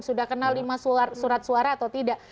sudah kenal lima surat suara atau tidak